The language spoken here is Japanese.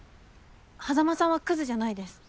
硲さんはクズじゃないです。